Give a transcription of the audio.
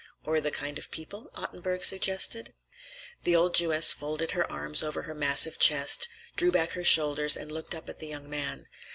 "Or the kind of people?" Ottenburg suggested. The old Jewess folded her arms over her massive chest, drew back her shoulders, and looked up at the young man.